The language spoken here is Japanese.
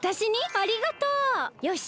ありがとう！よし！